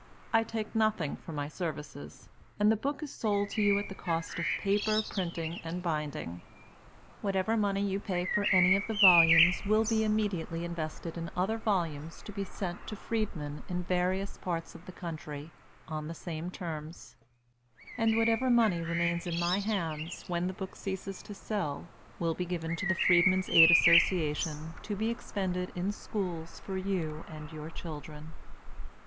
I take nothing for my services; and the book is sold to you at the cost of paper, printing, and binding. Whatever money you pay for any of the volumes will be immediately invested in other volumes to be sent to freedmen in various parts of the country, on the same terms; and whatever money remains in my hands, when the book ceases to sell, will be given to the Freedmen's Aid Association, to be expended in schools for you and your children.